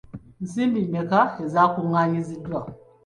Nsimbi mmeka ezaakungaanyiziddwa?